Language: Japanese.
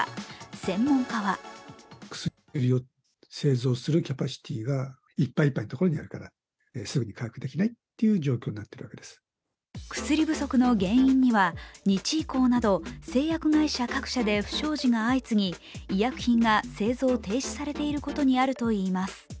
専門家は薬不足の原因には、日医工など製薬会社各社で不祥事が相次ぎ、医薬品が製造停止されていることにあるといいます。